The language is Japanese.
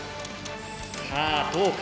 さあどうか。